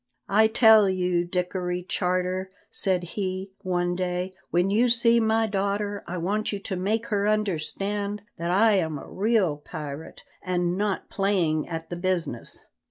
"I tell you, Dickory Charter," said he, one day, "when you see my daughter I want you to make her understand that I am a real pirate, and not playing at the business.